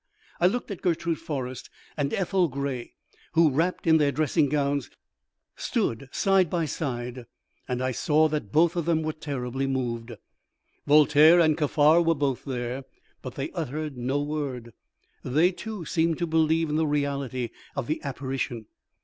I looked at Gertrude Forrest and Ethel Gray, who, wrapped in their dressing gowns, stood side by side, and I saw that both of them were terribly moved. Voltaire and Kaffar were both there, but they uttered no word. They, too, seemed to believe in the reality of the apparition.